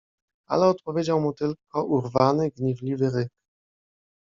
Ale odpowiedział mu tylko urwany, gniewliwy ryk.